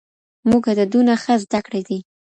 موږ عددونه ښه زده کړي دي.